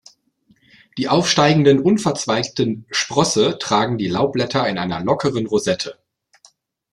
Die aufsteigenden, unverzweigten Sprosse tragen die Laubblätter in einer lockeren Rosette.